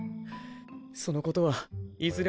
そのことはいずれ